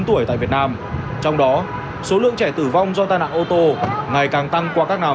tuổi tại việt nam trong đó số lượng trẻ tử vong do tai nạn ô tô ngày càng tăng qua các năm